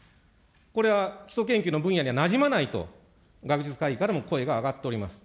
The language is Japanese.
これは基礎研究の分野にはなじまないと、学術会議からも声が上がっております。